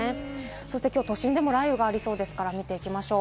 そして今日、都心でも雷雨がありそうですから見ていきましょう。